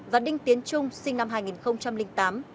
và đinh tiến trung sinh năm hai nghìn tám